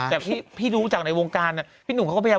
แต่พี่รู้จักในวงการน่ะ